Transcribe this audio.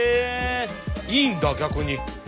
いいんだ逆に。